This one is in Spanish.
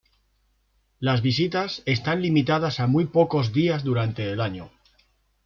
Las visitas están limitadas a muy pocos días durante el año.